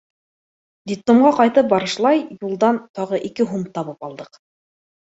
Детдомға ҡайтып барышлай юлдан тағы ике һум табып алдыҡ.